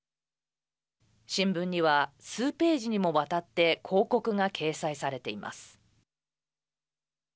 新聞には数ページにもわたって広告が掲載されています。